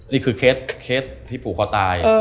นี่คือเคสที่ผูกคอตาย